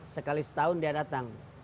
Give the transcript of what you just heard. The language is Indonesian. sekali setahun dia datang